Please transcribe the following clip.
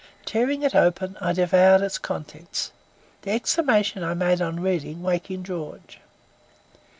Tearing it open, I devoured its contents, the exclamation I made on reading it, waking George.